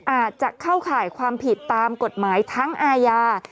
อาจจะเข้าข่ายความผิดตามกฎหมายทั้งอาญา